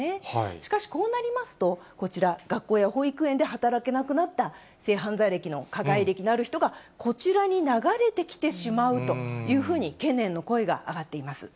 しかし、こうなりますと、こちら、学校や保育園で働けなくなった性犯罪歴の、加害歴のある人がこちらに流れてきてしまうというふうに懸念の声が上がっています。